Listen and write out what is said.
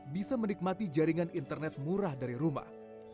bisa menikmati jaringan internet murah dari rumah